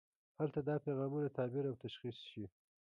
هلته دا پیغامونه تعبیر او تشخیص شي.